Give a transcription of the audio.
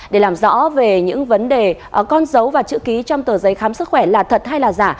để làm rõ về những vấn đề con dấu và chữ ký trong tờ giấy khám sức khỏe là thật hay là giả